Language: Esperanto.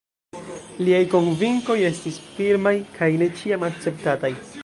Liaj konvinkoj estis firmaj kaj ne ĉiam akceptataj.